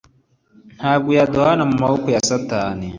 Ntabwo yaduhana mu maboko ya satani